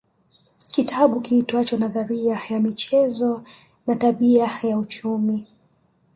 Kitabu kiitwacho nadharia ya michezo na tabia ya kiuchumi